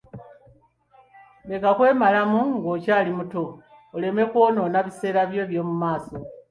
Leka kwemalamu nga okyali muto oleme okwonoona ebiseera byo eby'omu maaso.